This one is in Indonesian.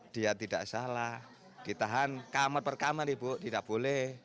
dia tidak salah ditahan kamar per kamar ibu tidak boleh